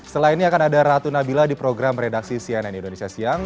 setelah ini akan ada ratu nabila di program redaksi cnn indonesia siang